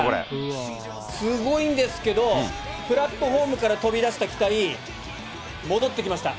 すごいんですけど、プラットホームから飛び出した機体、戻ってきました。